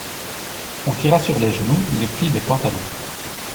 On tira sur les genoux les plis des pantalons.